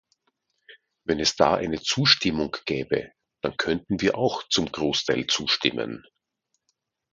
Wenn es da eine Zustimmung gäbe, dann könnten wir auch zum Großteil zustimmen.